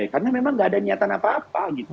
karena memang gak ada niatan apa apa gitu